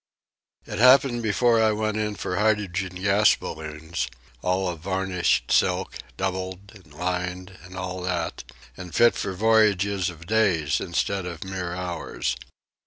It happened before I went in for hydrogen gas balloons, all of varnished silk, doubled and lined, and all that, and fit for voyages of days instead of mere hours.